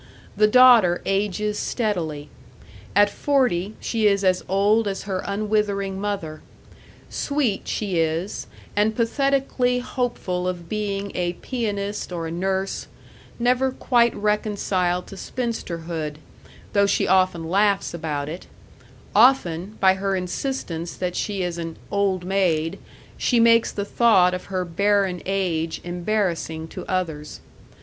The daughter ages steadily. At forty she is as old as her unwithering mother. Sweet she is, and pathetically hopeful of being a pianist or a nurse; never quite reconciled to spinsterhood, though she often laughs about it; often, by her insistence that she is an "old maid," she makes the thought of her barren age embarrassing to others.